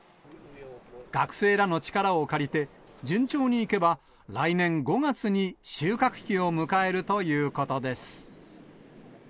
学生らの力を借りて、順調にいけば、来年５月に収穫期を迎えるということです。